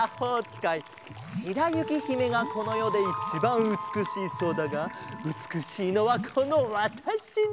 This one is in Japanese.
しらゆきひめがこのよでいちばんうつくしいそうだがうつくしいのはこのわたしだ。